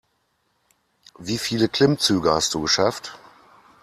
Wie viele Klimmzüge hast du geschafft?